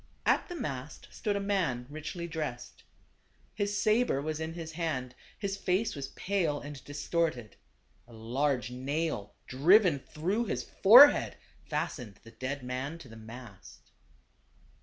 At the mast stood a man richly dressed. His saber was in his hand; his face was pale and distorted. A large nail, driven through his forehead, fastened the dead man to the mast.